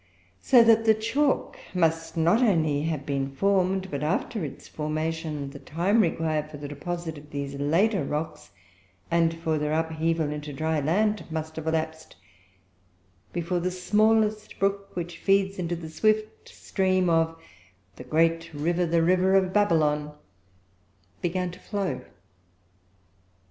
So that the chalk must not only have been formed, but, after its formation, the time required for the deposit of these later rocks, and for their upheaval into dry land, must have elapsed, before the smallest brook which feeds the swift stream of "the great river, the river of Babylon," began to flow.